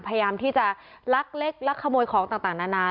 พยายามที่จะลักเล็กลักขโมยของต่างนานา